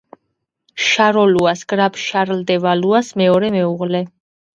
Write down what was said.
შაროლუას გრაფ შარლ დე ვალუას მეორე მეუღლე.